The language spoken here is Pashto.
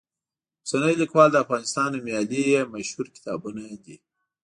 اوسنی لیکوال، د افغانستان نومیالي یې مشهور کتابونه دي.